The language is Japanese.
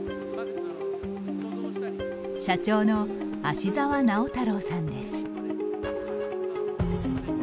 社長の芦澤直太郎さんです。